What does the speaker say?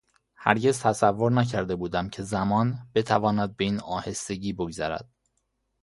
هرگز تصور نکرده بودم که زمان بتواند به این آهستگی بگذرد.